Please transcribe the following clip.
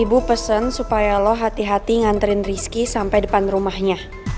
ibu pesen supaya lo hati hati nganterin rizky sampai depan rumahnya